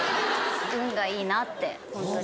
運がいいなってホントに。